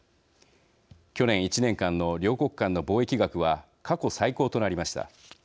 去年１年間の両国間の貿易額は過去最高となりました。